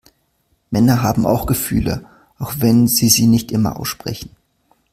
Männer haben auch Gefühle, auch wenn sie sie nicht immer aussprechen.